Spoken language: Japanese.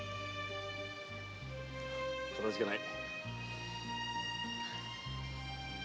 かたじけない。